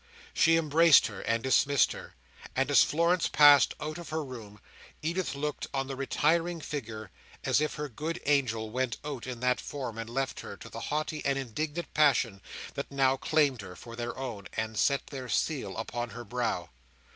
She embraced her, and dismissed her; and as Florence passed out of her room, Edith looked on the retiring figure, as if her good angel went out in that form, and left her to the haughty and indignant passions that now claimed her for their own, and set their seal upon her brow.